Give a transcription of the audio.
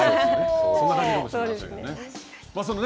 そんな感じかもしれませんけどね。